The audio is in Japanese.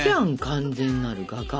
完全なる画家。